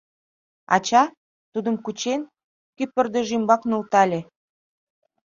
Ача, тудым кучен, кӱ пырдыж ӱмбак нӧлтале.